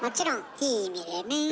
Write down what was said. いい意味よね。